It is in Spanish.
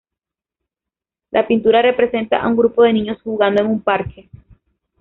La pintura representa a un grupo de niños jugando en un parque.